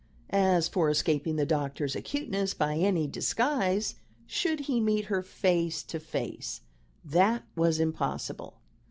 As for escaping the doctor's acuteness by any disguise should he meet her face to face, that was impossible.